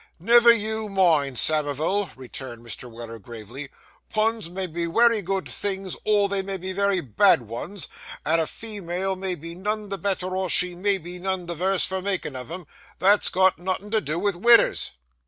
'Never you mind, Samivel,' returned Mr. Weller gravely; 'puns may be wery good things or they may be wery bad 'uns, and a female may be none the better or she may be none the vurse for making of 'em; that's got nothing to do vith widders.